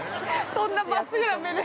◆そんな真っすぐな目で。